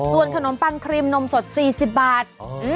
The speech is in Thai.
ส่วนขนมปังครีมนมสด๔๐บาท